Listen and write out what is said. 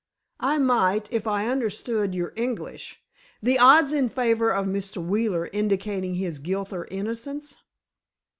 "I might, if I understood your English. The odds in favor of Mr. Wheeler indicating his guilt or innocence?"